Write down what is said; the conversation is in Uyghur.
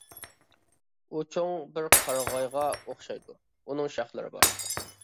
ئۇ چوڭ بىر قارىغايغا ئوخشايدۇ، ئۇنىڭ شاخلىرى بار.